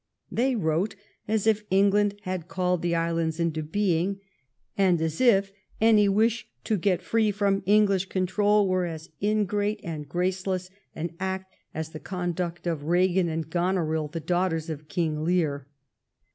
They wrote as if England had called the islands into being, and as if any wish to get free from Eng lish control were as ingrate and graceless an act as the conduct of Regan and Goneril, the daughters of King Lear.